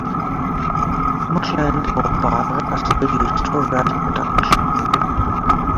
Much land in Mobara are still used for rice production.